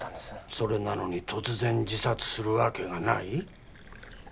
それなのに突然自殺するわけがない？